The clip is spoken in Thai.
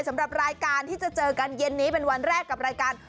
สำหรับรายการที่จะเจอกันเย็นนี้เป็นวันแรกกับรายการ